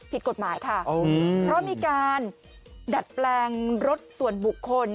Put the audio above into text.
ผิดกฎหมายค่ะเพราะมีการดัดแปลงรถส่วนบุคคล